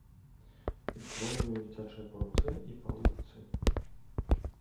І кроў ёй цячэ па руцэ і па лытцы.